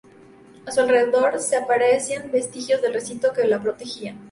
A su alrededor se aprecian vestigios del recinto que la protegía.